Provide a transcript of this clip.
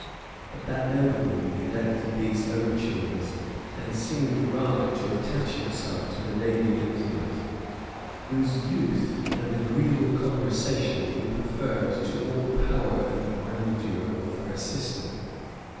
[] But that nobleman neglected these overtures; and seemed rather to attach himself to the lady Elizabeth, whose youth and agreeable conversation he preferred to all the power and grandeur of her sister.